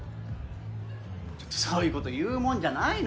ちょっとそういうこと言うもんじゃないのよ！